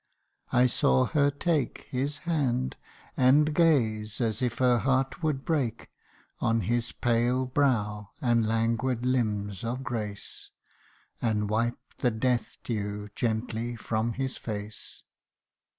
I saw her take His hand, and gaze, as if her heart would break, On his pale brow and languid limbs of grace, And wipe the death dew gently from his face.